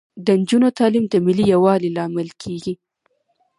د نجونو تعلیم د ملي یووالي لامل کیږي.